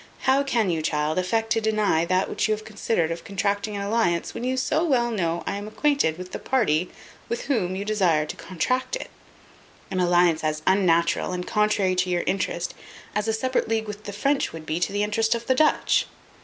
How can you, child, affect to deny that you have considered of contracting an alliance, when you so well know I am acquainted with the party with whom you desire to contract it? an alliance as unnatural, and contrary to your interest, as a separate league with the French would be to the interest of the Dutch!